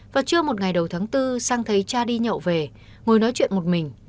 và trưa một ngày đầu tháng bốn sang thấy cha đi nhậu về ngồi nói chuyện một mình